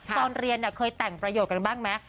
ตอนเรียนเคยแต่งประโยชน์กันบ้างไหม